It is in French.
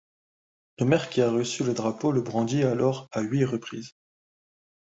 Le maire qui a reçu le drapeau le brandit alors à huit reprises.